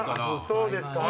そうですか？